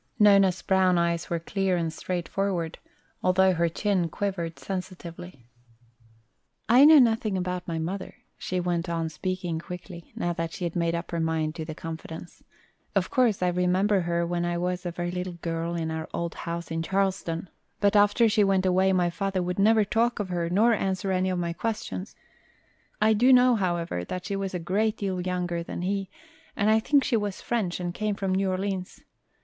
Nona's brown eyes were clear and straightforward, although her chin quivered sensitively. "I know nothing about my mother," she went on speaking quickly, now that she had made up her mind to the confidence. "Of course, I remember her when I was a very little girl in our old house in Charleston. But after she went away my father would never talk of her nor answer any of my questions. I do know, however, that she was a great deal younger than he, and I think she was French and came from New Orleans.